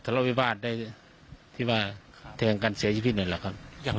ทะเลาวิบาทได้ที่ว่าทางการเสียชีวิตหน่อยหรอครับอย่าง